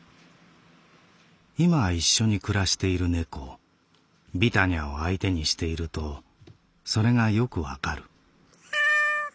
「いま一緒に暮らしている猫ビタニャを相手にしているとそれがよくわかる」。